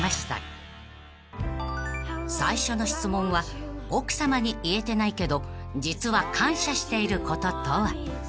［最初の質問は奥さまに言えてないけど実は感謝していることとは？］